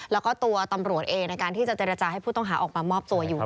แล้วก็ตัวตำรวจเองในการที่จะเจรจาให้ผู้ต้องหาออกมามอบตัวอยู่